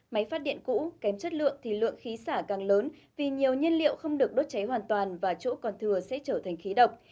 máy phát điện cũ kém chất lượng thì lượng khí xả càng lớn vì nhiều nhân liệu không được đốt cháy hoàn toàn và chỗ còn thừa sẽ trở thành khí độc